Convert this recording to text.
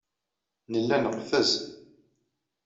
Nella neqfez